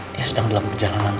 dia sedang dalam perjalanan